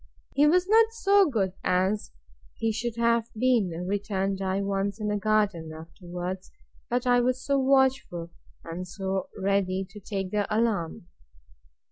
He was not so good as he should have been, returned I, once in the garden, afterwards; but I was so watchful, and so ready to take the alarm!